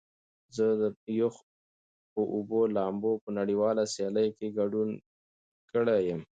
زه د یخو اوبو لامبو په نړیواله سیالۍ کې ګډون کړی یم.